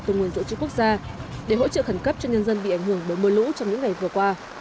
từ nguồn dự trữ quốc gia để hỗ trợ khẩn cấp cho nhân dân bị ảnh hưởng bởi mưa lũ trong những ngày vừa qua